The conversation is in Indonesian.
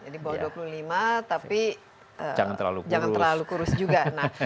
di bawah dua puluh lima tapi jangan terlalu kurus juga